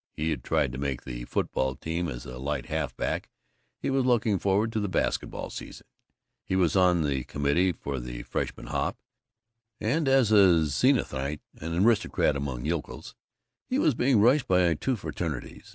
He had tried to "make" the football team as a light half back, he was looking forward to the basket ball season, he was on the committee for the Freshman Hop, and (as a Zenithite, an aristocrat among the yokels) he was being "rushed" by two fraternities.